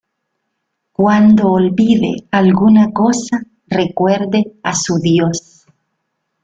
Cuando olvide alguna cosa, recuerde a su Dios".